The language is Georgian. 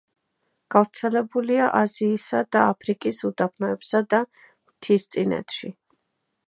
გავრცელებულია აზიისა და აფრიკის უდაბნოებსა და მთისწინეთში.